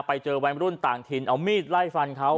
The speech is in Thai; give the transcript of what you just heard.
ไปเจอวัยรุ่นต่างถิ่นเอามีดไล่ฟันเขา